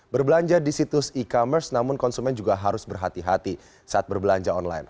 berbelanja di situs e commerce namun konsumen juga harus berhati hati saat berbelanja online